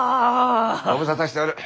ご無沙汰しておる。